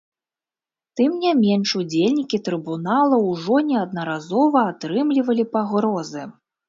Тым не менш, удзельнікі трыбунала ўжо неаднаразова атрымлівалі пагрозы.